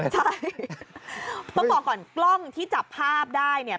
ใช่ต้องบอกก่อนกล้องที่จับภาพได้เนี่ย